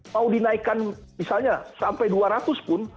mau dinaikkan misalnya sampai dua ratus pun